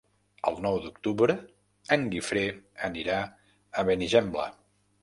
El nou d'octubre en Guifré anirà a Benigembla.